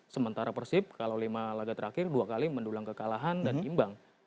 sementara persib kalau lima laga terakhir dua kali mendulang kekalahan dan imbang